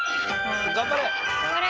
頑張れ！